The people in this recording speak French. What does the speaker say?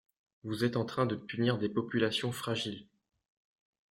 Vous êtes en train de punir des populations fragiles.